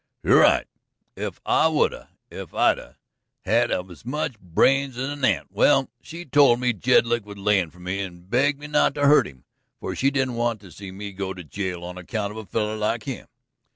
"You're right; I would 'a' if I'd 'a' had as much brains as a ant. Well, she told me Jedlick was layin' for me, and begged me not to hurt him, for she didn't want to see me go to jail on account of a feller like him.